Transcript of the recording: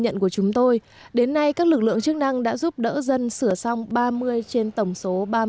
nhận của chúng tôi đến nay các lực lượng chức năng đã giúp đỡ dân sửa xong ba mươi trên tổng số ba mươi sáu